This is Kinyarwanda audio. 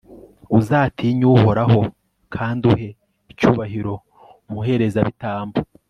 uzatinye uhoraho, kandi uhe icyubahiro umuherezabitambo